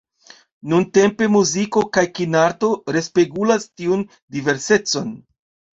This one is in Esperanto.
Nuntempe muziko kaj kinarto respegulas tiun diversecon.